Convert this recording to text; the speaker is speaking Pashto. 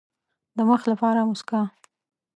د مخ لپاره موسکا.